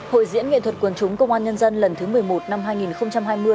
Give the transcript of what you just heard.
hội diễn nghệ thuật quần chúng công an nhân dân lần thứ một mươi một năm hai nghìn hai mươi